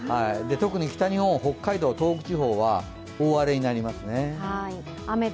特に北日本、北海道・東北地方は大荒れになりそうですね。